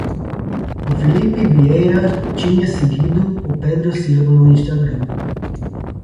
O Filipe Vieira tinha seguido o Pedro Silva no Instagram